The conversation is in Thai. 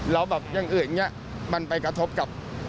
แล้วแบบอย่างอื่นอย่างนี้มันไปกระทบกับ